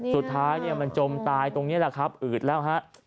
สุดท้ายมันจมตายตรงนี้แหละครับอืดแล้วฮะ